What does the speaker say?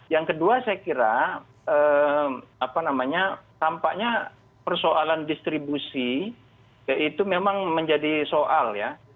yang kedua saya kira tampaknya persoalan distribusi itu memang menjadi soal ya